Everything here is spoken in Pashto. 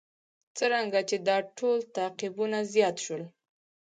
څرنګه چې دا ډول تعقیبونه زیات شول.